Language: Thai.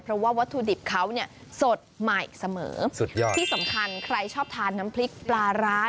เพราะว่าวัตถุดิบเขาเนี่ยสดใหม่เสมอสุดยอดที่สำคัญใครชอบทานน้ำพริกปลาร้า